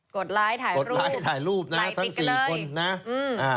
กดไลค์ถ่ายรูปนะทั้งสี่คนนะ